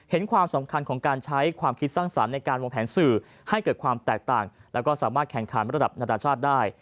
ความสำคัญของการใช้ความคิดสร้างสรรค์ในการวางแผนสื่อให้เกิดความแตกต่างแล้วก็สามารถแข่งขันระดับนานาชาติได้